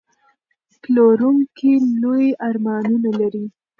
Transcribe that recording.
پلورونکی لوی ارمانونه لري.